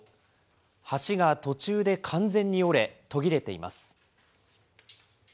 橋が途中で完全に折れ、途切れています。